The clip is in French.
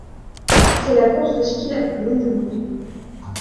C’est la course de ski la plus longue du monde.